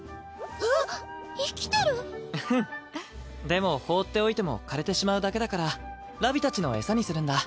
でも放っておいても枯れてしまうだけだからラビたちの餌にするんだ。